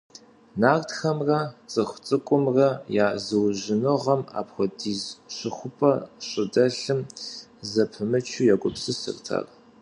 Нартхэмрэ цӀыху цӀыкӀумрэ я зыужьыныгъэм апхуэдиз щыхупӀэ щӀыдэлъым зэпымычу егупсысырт ахэр.